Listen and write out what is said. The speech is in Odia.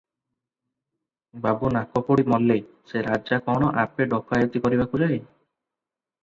ବାବୁ ନାକଫୋଡି ମଲ୍ଲେ-ସେ ରଜା କଣ ଆପେ ଡକାଏତି କରିବାକୁ ଯାଏ?